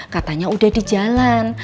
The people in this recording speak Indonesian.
katanya udah di jalan